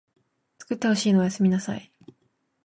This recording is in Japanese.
つくってほしいのおやすみなさい